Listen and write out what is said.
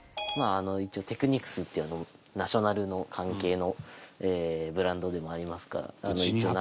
一応、Ｔｅｃｈｎｉｃｓっていうナショナルの関係のブランドでもありますから。